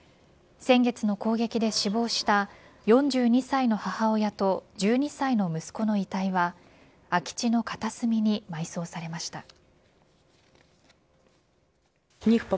先月の攻撃で死亡した４２歳の母親と１２歳の息子の遺体は空き地の片隅に埋葬されました。